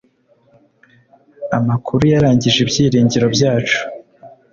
Amakuru yarangije ibyiringiro byacu.